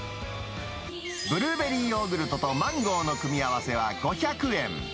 ブルーベリーヨーグルトとマンゴーの組み合わせは５００円。